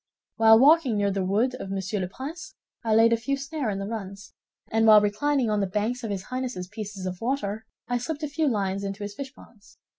While walking near the wood of Monsieur le Prince, I laid a few snares in the runs; and while reclining on the banks of his Highness's pieces of water, I slipped a few lines into his fish ponds.